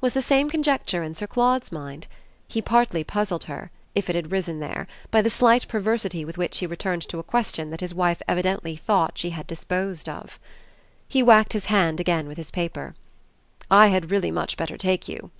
Was the same conjecture in Sir Claude's mind? He partly puzzled her, if it had risen there, by the slight perversity with which he returned to a question that his wife evidently thought she had disposed of. He whacked his hand again with his paper. "I had really much better take you."